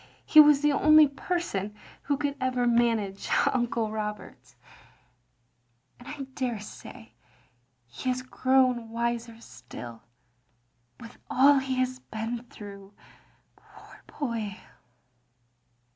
He was the only person who could ever manage ii8 THE LONELY LADY Uncle Roberts. And I daresay he has grown wiser still, with all he has been through, poor boy."